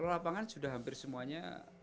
kalau lapangan sudah hampir semuanya